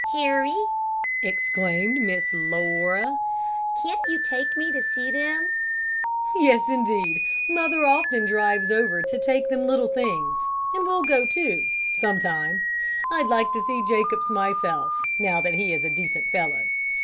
"Harry," exclaimed Miss Laura, "can't you take me to see them?" "Yes, indeed; mother often drives over to take them little things, and we'll go, too, sometime. I'd like to see Jacobs myself, now that he is a decent fellow.